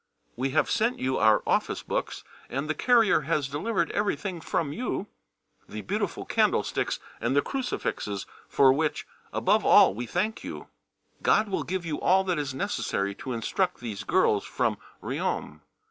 We have sent you our Office books, and the carrier has delivered everything from you the beautiful candlesticks and the crucifixes, for which, above all, we thank you. God will give you all that is necessary to instruct these girls from Riom.